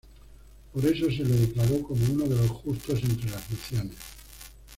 Por eso se le declaró como uno de los Justos entre las Naciones.